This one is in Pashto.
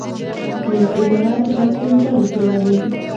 یوه اداره د خلکو له ډلو جوړه وي.